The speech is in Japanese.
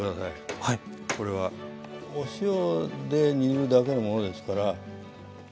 これはお塩で煮るだけのものですから。